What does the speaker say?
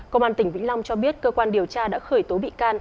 công an tỉnh vĩnh long cho biết cơ quan điều tra đã khởi tố bị can